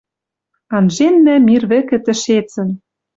Анженнӓ мир вӹкӹ тӹшецӹн